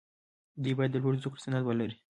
دوی باید د لوړو زدکړو سند ولري.